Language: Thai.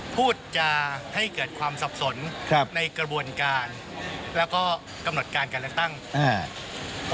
พูดจะให้เกิดความสับสนครับในกระบวนการแล้วก็กำหนดการการเลือกตั้งอ่า